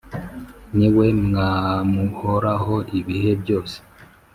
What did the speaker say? Ni we mwam’uhoraho ibihe byose.